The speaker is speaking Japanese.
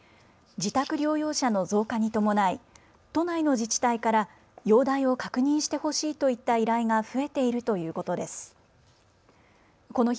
自宅療養者の増加に伴い都内の自治体から容体を確認してほしいといった依頼が増えているということです。